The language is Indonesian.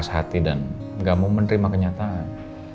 hati dan gak mau menerima kenyataan